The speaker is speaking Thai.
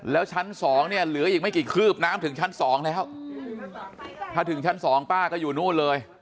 แล้วชั้นสองเนี่ยเหลืออีกไม่กี่คืบน้ำถึงชั้นสองแล้วถ้าถึงชั้นสองป้าก็อยู่นู่นเลย